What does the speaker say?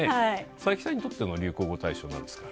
佐々木さんにとっても流行語大賞は何ですか？